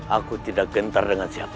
aku tidak gentar dengan siapa